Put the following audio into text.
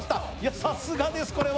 さすがです、これは。